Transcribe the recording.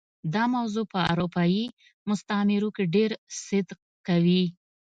دا موضوع په اروپايي مستعمرو کې ډېر صدق کوي.